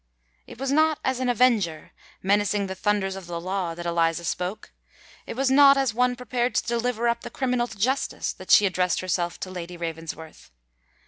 It was not as an avenger, menacing the thunders of the law, that Eliza spoke: it was not as one prepared to deliver up the criminal to justice, that she addressed herself to Lady Ravensworth.